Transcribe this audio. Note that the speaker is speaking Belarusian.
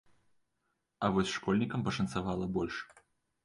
А вось школьнікам пашанцавала больш.